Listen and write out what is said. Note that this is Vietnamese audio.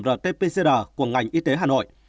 rt pcr của ngành y tế hà nội